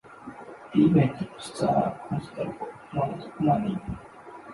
The event lost a considerable amount of money.